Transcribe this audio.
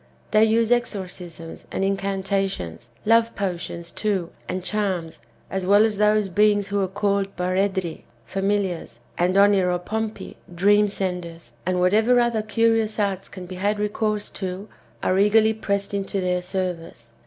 They use exorcisms and incanta tions. Love potions, too, and charms, as well as those beings who are called " Paredri" (familars) and " Oniropompi" (dream senders), and whatever other curious arts can be had recourse to, are eagerly pressed into their service.